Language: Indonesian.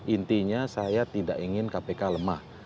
intinya saya tidak ingin kpk lemah